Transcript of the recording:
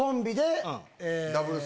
ダブルス。